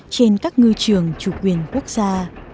trên các ngư trường chủ quyền quốc gia